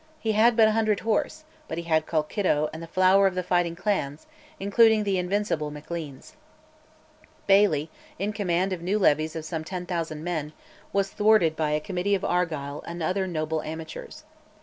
He had but a hundred horse, but he had Colkitto and the flower of the fighting clans, including the invincible Macleans. Baillie, in command of new levies of some 10,000 men, was thwarted by a committee of Argyll and other noble amateurs.